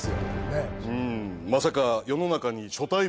うんまさか世の中に。